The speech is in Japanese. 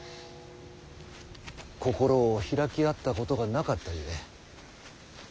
心を開き合ったことがなかったゆえ。